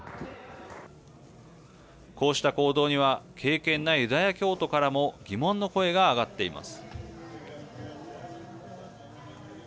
こうした行動には敬けんなユダヤ教徒からも疑問の声が上がっています。